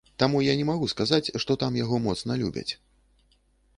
Таму я не магу сказаць, што там яго моцна любяць.